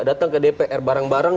datang ke dpr bareng bareng